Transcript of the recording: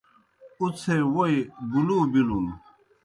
اُڅھے ووئی بُلُو بِلُن۔